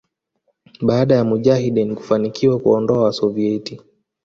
baada ya Mujahideen kufanikiwa kuwaondoa Wasoviet